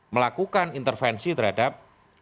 melakukan intervensi terhadap